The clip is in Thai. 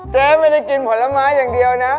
เจ๊ไม่ได้กินผลไม้อย่างเดียวนะ